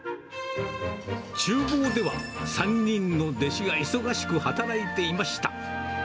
ちゅう房では、３人の弟子が忙しく働いていました。